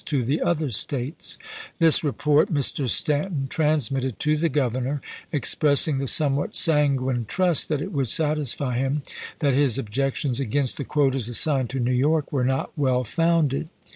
to the other States." This report Mr. Stanton trans Ai!s4.u' mitted to the Governor, expressing the somewhat sanguine trust that it would satisfy him that his objections against the quotas assigned to New York THE LINCOLN SEYMOUR CORRESPONDENCE 45 1864. were not well founded.